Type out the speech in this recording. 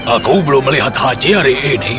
aku belum melihat haji hari ini